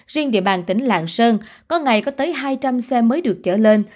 riêng địa bàn tỉnh lạng sơn có ngày có tới hai trăm linh xe mới được trở lên